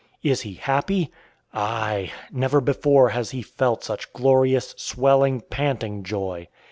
Is he happy? Aye! Never before has he felt such glorious, swelling, panting joy.